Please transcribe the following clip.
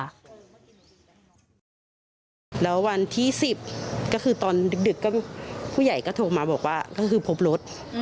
แล้ววันที่๑๐ก็คือตอนดึกก็ผู้ใหญ่ก็โทรมาบอกว่าก็คือพบรถ